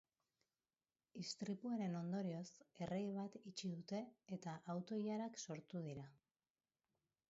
Istripuaren ondorioz, errei bat itxi dute eta auto-ilarak sortu dira.